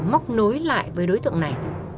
móc nối lại với đối tượng này